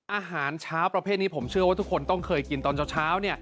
อาหารเช้าประเภทนี้ผมเชื่อว่าทุกคนต้องเคยกินตอนเช้า